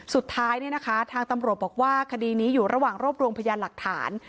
สุดท้ายทางตำรวจบอกว่าคดีนี้อยู่ระหว่างรวบรวมพยานหลักฐาน